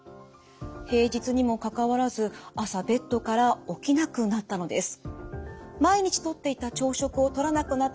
平日にもかかわらず朝ベッドから起きなくなったのです。